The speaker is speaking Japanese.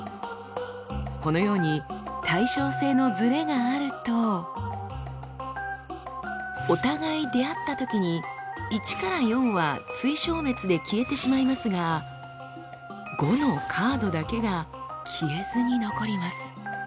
このように対称性のズレがあるとお互い出会ったときに「１」から「４」は対消滅で消えてしまいますが「５」のカードだけが消えずに残ります。